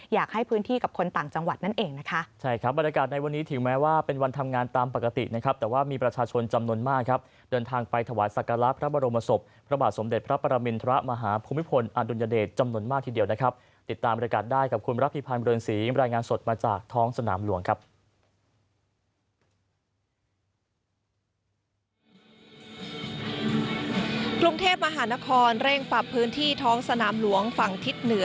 อยากให้พื้นที่กับคนต่างจังหวัดนั้นเอง